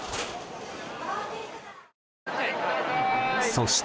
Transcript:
そして。